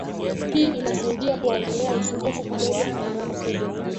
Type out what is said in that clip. Hii inasaidia kuwaondolea usumbufu pamoja gharama kubwa